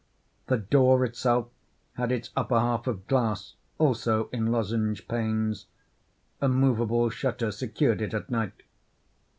The door itself had its upper half of glass, also in lozenge panes—a movable shutter secured it at night.